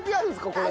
これ。